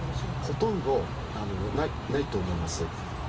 ほとんどないと思います。